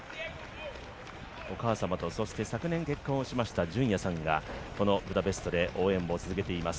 お母様と昨年結婚しました夫がブダペストで応援を続けています。